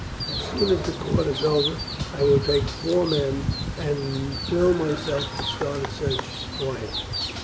As soon as the court is over I will take four men and will myself start to search for him.